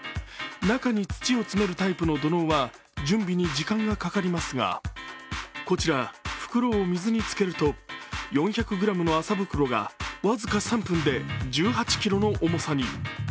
中に土を詰めるタイプの土のうは準備に時間がかかりますがこちら、袋を水につけると４００ｇの麻袋が僅か３分で１８ｋｇの重さに。